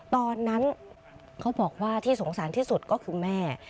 ตอนนั้นเขาบอกว่าที่สงสารที่สุดก็คือแม่